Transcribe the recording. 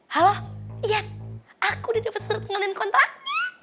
halo ian aku udah dapet surat ngalin kontraknya